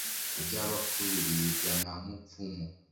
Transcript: iby'abapfu biribwa na mupfumu